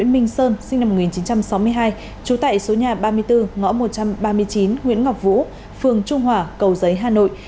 minh sơn sinh năm một nghìn chín trăm sáu mươi hai trú tại số nhà ba mươi bốn ngõ một trăm ba mươi chín nguyễn ngọc vũ phường trung hòa cầu giấy hà nội